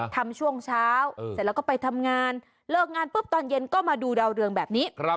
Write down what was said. ทำช่วงเช้าแล้วก็ไปทำงานเลิกงานตอนเย็นก็มาดูดาวเรืองแบบนี้